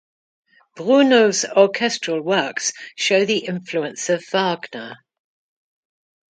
Bruneau's orchestral works show the influence of Wagner.